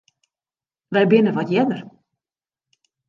Wy binne wat earder.